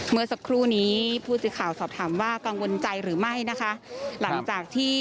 เมื่อสักครู่นี้ผู้จิข่าวสอบถามว่ากังวลใจหรือไม่นะคะ